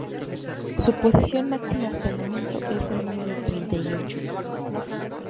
Su posición máxima hasta el momento es el número treinta y ocho.